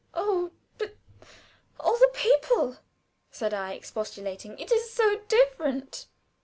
"Oh! but all the people!" said I, expostulating; "it is so different."